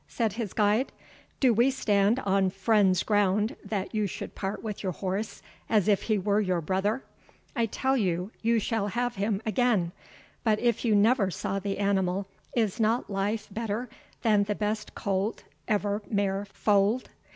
said his guide; "do we stand on friends' ground, that you should part with your horse as if he were your brother? I tell you, you shall have him again; but if you never saw the animal, is not life better than the best colt ever mare foaled?"